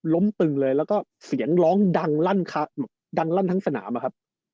ล้มตึงเลยแล้วก็เสียงร้องดังรั่นทั้งสนามอะครับ